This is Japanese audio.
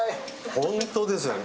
本当ですね。